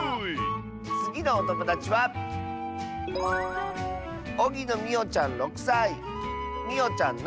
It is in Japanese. つぎのおともだちはみおちゃんの。